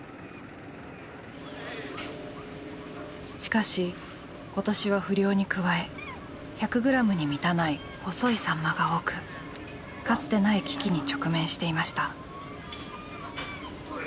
しかし今年は不漁に加え１００グラムに満たない細いサンマが多くかつてない危機に直面していました。